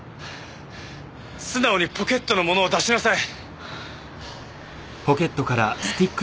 素直にポケットのものを出しなさい。